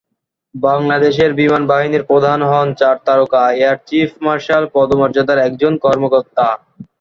বাংলাদেশ বিমান বাহিনীর প্রধান হন চার তারকা এয়ার চিফ মার্শাল পদমর্যাদার একজন কর্মকর্তা।